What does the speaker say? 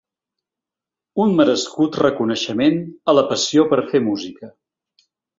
Un merescut reconeixement a la passió per fer música.